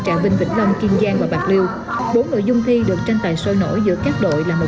trạ vinh vịnh long kiên giang và bạc liêu bốn nội dung thi được tranh tài soi nổi giữa các đội là một trăm linh m